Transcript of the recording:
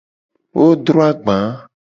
Wo dro agba.